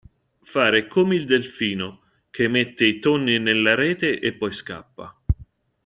Fare come il delfino, che mette i tonni nella rete e poi scappa.